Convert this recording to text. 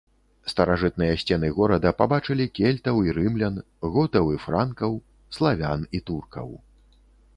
Старажытныя сцены горада пабачылі кельтаў і рымлян, готаў і франкаў, славян і туркаў.